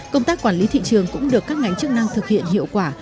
công tác quản lý thị trường cũng được các ngành chức năng thực hiện hiệu quả